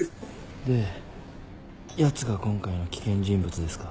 でやつが今回の危険人物ですか。